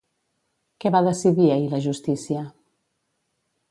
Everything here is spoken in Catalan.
Què va decidir ahir la justícia?